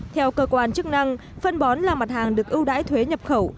theo cơ quan chức năng phân bón là mặt hàng được ưu đãi thuế nhập khẩu